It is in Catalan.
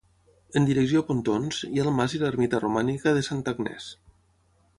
En direcció a Pontons, hi ha el mas i l'ermita romànica de Santa Agnès.